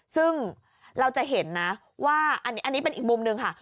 ซึ่งเราจะเห็นนะว่าอันนี้เป็นอีกมุมหนึ่งค่ะ